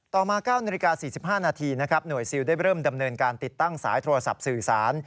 ต่อมา๙นาฬิกา๔๕นาทีนะครับหน่วยซิลได้เริ่มดำเนินการติดตั้งสายโทรศัพท์สื่อสาร